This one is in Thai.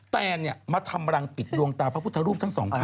แนนมาทำรังปิดดวงตาพระพุทธรูปทั้งสองข้าง